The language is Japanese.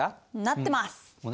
なってます。